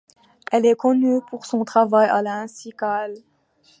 Elle est connue pour son travail à la ainsi qu'à l'.